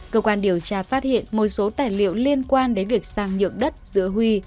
cơ quan điều tra phát hiện một số tài liệu liên quan đến việc sang nhượng đất giữa huy